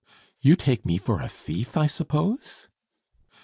"You take me for a thief, I suppose?"